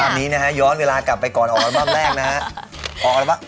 ภาพนี้นะคะย้อนเวลากลับไปก่อนออนัลบั้มแรกนะฮัก